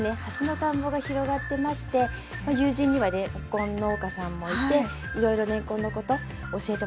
蓮の田んぼが広がってまして友人にはれんこん農家さんもいていろいろれんこんのこと教えてもらったりしています。